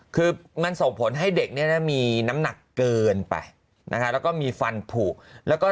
คือมันส่งผลให้เด็กมีน้ำหนักเกินไปแล้วมีฟันผูก